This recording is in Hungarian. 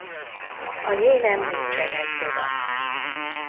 A nyélen nincsenek fogak.